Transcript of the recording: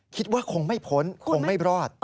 คิดว่าคงไม่พ้นคงไม่รอด